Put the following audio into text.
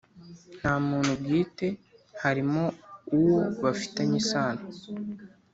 Nta umuntu bwite harimo uwo bafitanye isano